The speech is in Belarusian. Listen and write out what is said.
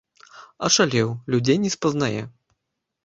Ашалеў, людзей не спазнае.